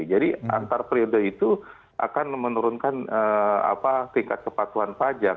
jadi antar periode itu akan menurunkan tingkat kepatuhan pajak